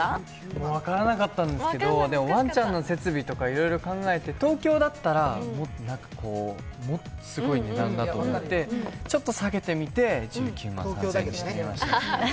もう分からなかったんですけど、ワンちゃんの設備とかいろいろ考えて、東京だったらもっとすごい値段だと思って、ちょっと下げてみて、１９万３０００円にしてみました。